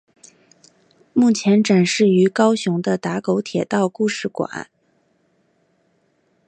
目前展示于高雄的打狗铁道故事馆。